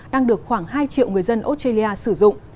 đang được khoảng hai triệu người dân australia sử dụng